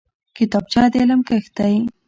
کتابچه د علم کښت دی